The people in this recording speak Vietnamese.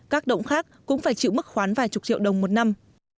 các động khác cũng phải chịu mức khoán vài chục triệu đồng một năm